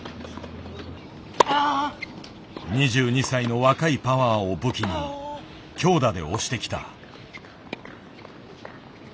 ２２歳の若いパワーを武器に強打で押してきた。